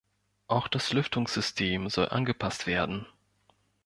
Auch das Lüftungssystem soll angepasst werden.